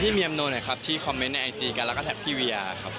เมียอำนวลนะครับที่คอมเมนต์ในไอจีกันแล้วก็แท็กพี่เวียครับ